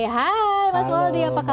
hai mas moldi apa kabar